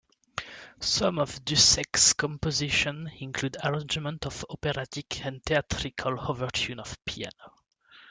Some of Dussek's compositions included arrangements of operatic and theatrical overtures for piano.